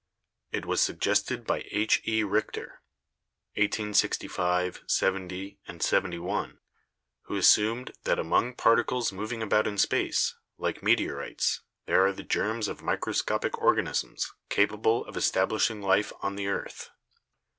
It was suggested by H. E. Richter (1865, '70 and '71), who assumed that among particles moving about in space, like meteorites, there are the germs of microscopic organisms capable of establishing life on the earth.